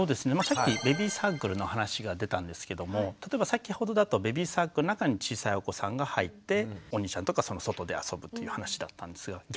さっきベビーサークルの話が出たんですけども例えば先ほどだとベビーサークルの中に小さいお子さんが入ってお兄ちゃんとかその外で遊ぶという話だったんですよ。